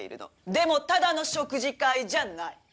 でもただの食事会じゃない。